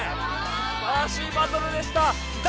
すばらしいバトルでした。